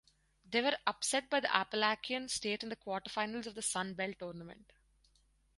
They were upset by Appalachian State in the quarterfinals of the Sun Belt Tournament.